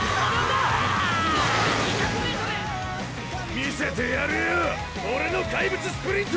見せてやるよオレの怪物スプリント！